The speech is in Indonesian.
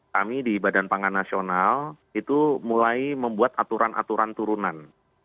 kami di badan pangan nasional itu mulai membuat aturan aturan turunan